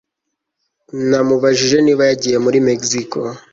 Namubajije niba yagiye muri Mexico